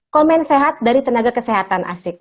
komen sehat dari tenaga kesehatan asik